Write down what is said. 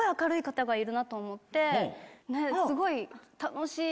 すごい楽しい。